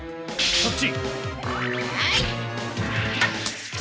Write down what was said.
そっち！